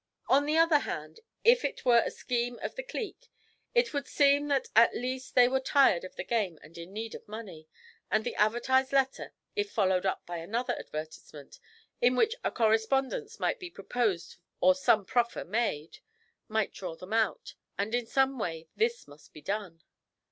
On the other hand, if it were a scheme of the clique, it would seem that at least they were tired of the game and in need of money; and the advertised letter, if followed up by another advertisement in which a correspondence might be proposed or some proffer made might draw them out; and in some way this must be done.